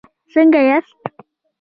څنګه یاست؟